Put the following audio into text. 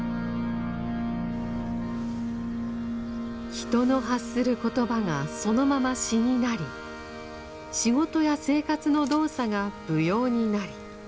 人の発する言葉がそのまま詩になり仕事や生活の動作が舞踊になり